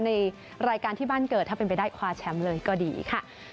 ในรายการที่บ้านเกิดถ้าเป็นไปได้คว้าแชมป์เลยก็ดีค่ะ